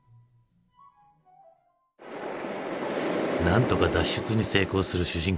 なんとか脱出に成功する主人公。